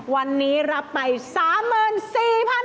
วันนี้รับไป๓๔๐๐๐บาท